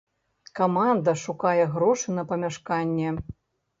Каманда шукае грошы на памяшканне.